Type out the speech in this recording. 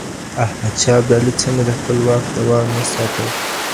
احمد شاه ابدالي څنګه د خپل واک دوام وساته؟